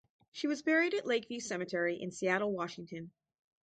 She was buried at Lake View Cemetery in Seattle, Washington.